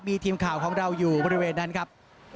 มีทีมข่าวของเราอยู่บริเวณนั้นครับ